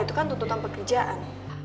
itu kan tuntutan pekerjaan